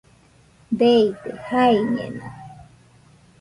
Deide, jaiñeno.